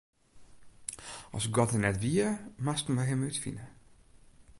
As God der net wie, moasten wy Him útfine.